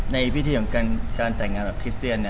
ในพิธีของการแต่งงานแบบคริสเซียน